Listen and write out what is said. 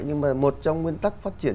nhưng mà một trong nguyên tắc phát triển